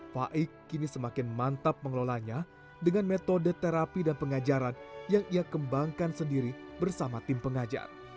faik kini semakin mantap mengelolanya dengan metode terapi dan pengajaran yang ia kembangkan sendiri bersama tim pengajar